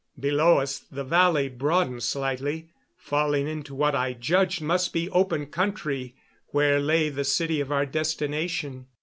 Below us the valley broadened slightly, falling into what I judged must be open country where lay the city of our destination.